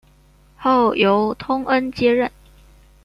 后由通恩接任。